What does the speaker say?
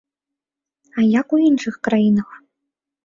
А як у іншых краінах?